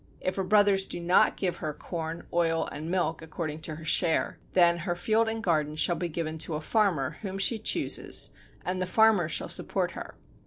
If her brothers do not give her corn, oil and milk according to her share, then her field and garden shall be given to a farmer whom she chooses and the farmer shall support her.